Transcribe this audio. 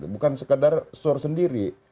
bukan sekadar suruh sendiri